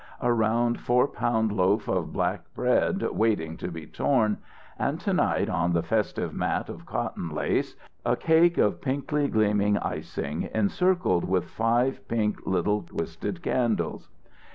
A round four pound loaf of black bread waiting to be torn, and to night, on the festive mat of cotton lace, a cake of pinkly gleaming icing, encircled with five pink little twisted candles.